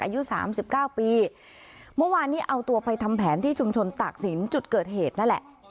อายุสามสิบเก้าปีเมื่อวานนี้เอาตัวไปทำแผนที่ชุมชนตากศิลป์จุดเกิดเหตุนั่นแหละ